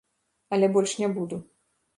Але больш не буду.